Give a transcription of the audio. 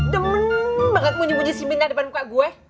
demen banget bunyi bunyi cemina depan muka gue